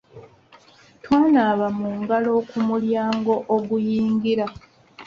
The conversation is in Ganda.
Twanaaba mu ngalo ku mulyango oguyingira.